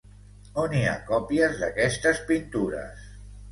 On hi ha còpies d'aquestes pintures?